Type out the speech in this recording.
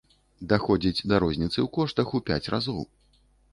Даходзіць да розніцы ў коштах у пяць разоў.